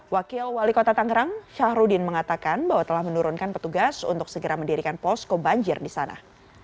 wakil wali kota tangerang syahrudin mengatakan bahwa telah menurunkan petugas untuk segera mendirikan posko banjir di sana